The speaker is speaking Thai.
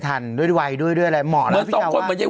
ทันด้วยวัยด้วยด้วยอะไรเหมาะด้วยพี่เขาว่าเหมือนมียาย